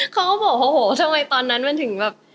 เขาก็บอกโอ้โหทำไมตอนนั้นมันถึงแบบ